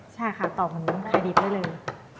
ใช่ค่ะตอกมันลงไข่ดิบได้เลย